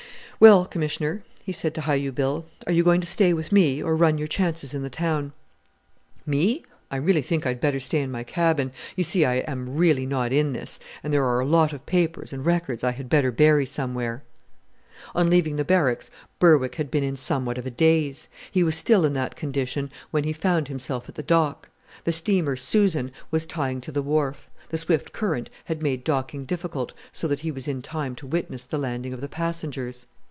Well, Commissioner," he said to Hi u Bill, "are you going to stay with me, or run your chances in the town?" "Me! I really think I'd better stay in my cabin. You see I am really not in this, and there are a lot of papers and records I had better bury somewhere." On leaving the Barracks Berwick had been in somewhat of a daze. He was still in that condition when he found himself at the dock. The steamer Susan was tying to the wharf; the swift current had made docking difficult, so that he was in time to witness the landing of the passengers.